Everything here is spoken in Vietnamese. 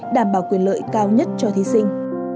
đảm bảo quyền lợi cao nhất cho thí sinh